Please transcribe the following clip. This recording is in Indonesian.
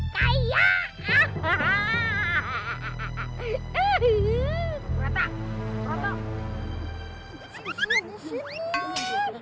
kita perempelin dia tuh onerdil onderdil